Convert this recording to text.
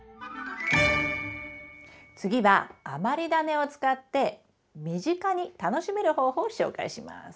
次は余りダネを使って身近に楽しめる方法を紹介します。